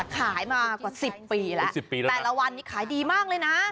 ขายมากว่าสิบปีแล้วแต่ละวันนี้ขายดีมากเลยนะ